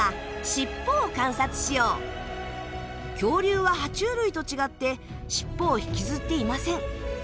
恐竜はは虫類と違って尻尾を引きずっていません。